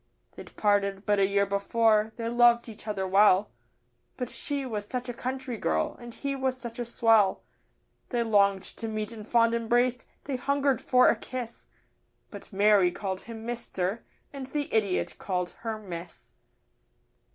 They'd parted but a year before, they loved each other well But she was such a country girl and he was such a swell; They longed to meet in fond embrace, they hungered for a kiss But Mary called him 'Mister' and the idiot called her 'Miss.